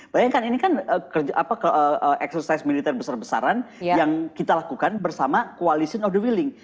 bayangkan ini kan eksersis militer besar besaran yang kita lakukan bersama coalition of the willing